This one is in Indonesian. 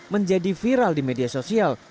menjadi viral di media sosial